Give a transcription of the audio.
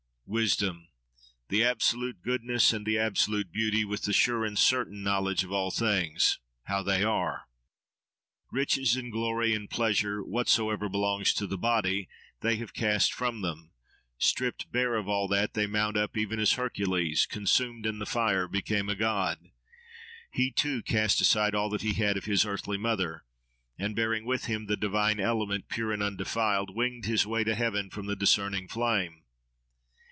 —Wisdom, the absolute goodness and the absolute beauty, with the sure and certain knowledge of all things—how they are. Riches and glory and pleasure—whatsoever belongs to the body—they have cast from them: stripped bare of all that, they mount up, even as Hercules, consumed in the fire, became a god. He too cast aside all that he had of his earthly mother, and bearing with him the divine element, pure and undefiled, winged his way to heaven from the discerning flame.